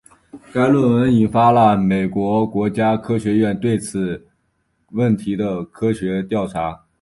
该论文引发了美国国家科学院对此问题的科学调查。